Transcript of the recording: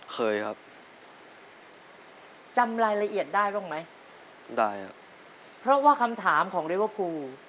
เคยครับจำรายละเอียดได้บ้างไหมได้ครับเพราะว่าคำถามของลิเวอร์พูล